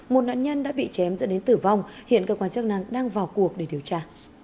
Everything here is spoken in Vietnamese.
một nạn nhân đã bị chém dẫn đến tử vong hiện cơ quan chức năng đang vào cuộc để điều tra